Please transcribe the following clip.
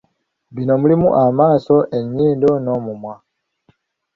Bino mulimu amaaso, ennyindo n’omumwa.